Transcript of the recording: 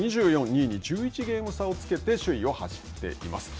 ２位に１１ゲーム差をつけて首位を走っています。